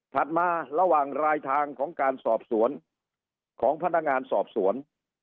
มาระหว่างรายทางของการสอบสวนของพนักงานสอบสวน